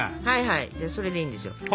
はいはいそれでいいんですよ。